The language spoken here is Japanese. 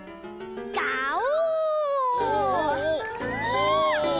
ガオ！